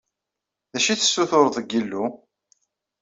D acu i tessutureḍ deg yillu?